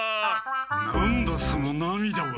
何だそのなみだは！